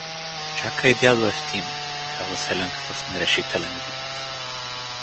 — Чакай, дядо Евтиме… — каза селянката с нерешителен вид.